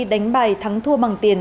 đánh bài thắng thua bằng tiền